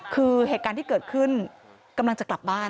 คือเหตุการณ์ที่เกิดขึ้นกำลังจะกลับบ้าน